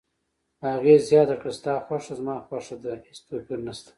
هغې زیاته کړه: ستا خوښه زما خوښه ده، هیڅ توپیر نشته.